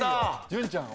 潤ちゃん